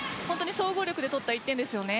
総合力で取った１点ですよね。